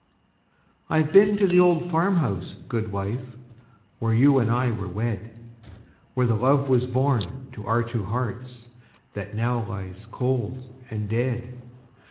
I've been to the old farm house, good wife, Where you and I were wed; Where the love was born to our two hearts That now lies cold and dead.